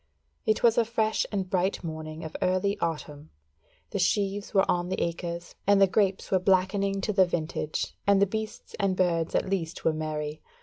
It was a fresh and bright morning of early autumn, the sheaves were on the acres, and the grapes were blackening to the vintage, and the beasts and birds at least were merry.